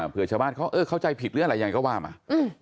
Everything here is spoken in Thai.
เพื่อชาวบ้านเขาเข้าใจผิดหรืออะไรยังไงก็ว่ามา